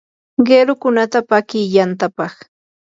qirukunata paki yantapaq.